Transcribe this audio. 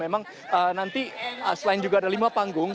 memang nanti selain juga ada lima panggung